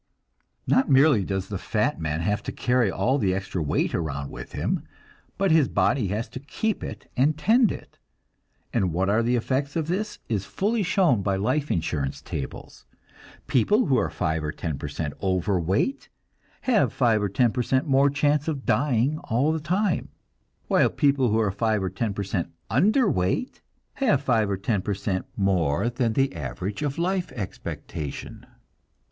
Not merely does the fat man have to carry all the extra weight around with him, but his body has to keep it and tend it; and what are the effects of this is fully shown by life insurance tables. People who are five or ten per cent over weight have five or ten per cent more chance of dying all the time, while people who are five or ten per cent under weight have five or ten per cent more than the average of life expectation.